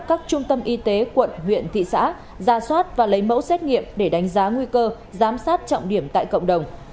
các trung tâm y tế quận huyện thị xã ra soát và lấy mẫu xét nghiệm để đánh giá nguy cơ giám sát trọng điểm tại cộng đồng